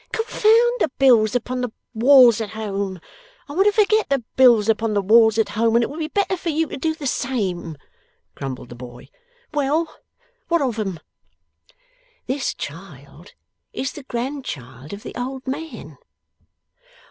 'Confound the bills upon the walls at home! I want to forget the bills upon the walls at home, and it would be better for you to do the same,' grumbled the boy. 'Well; what of them?' 'This child is the grandchild of the old man.